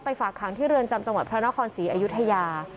ฝากขังที่เรือนจำจังหวัดพระนครศรีอยุธยา